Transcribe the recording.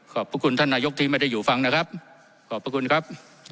ขอบคุณท่านนายกที่ไม่ได้อยู่ฟังนะครับขอบพระคุณครับ